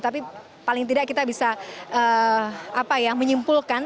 tapi paling tidak kita bisa menyimpulkan